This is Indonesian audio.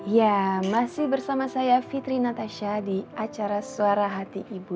ya masih bersama saya fitri natasha di acara suara hati ibu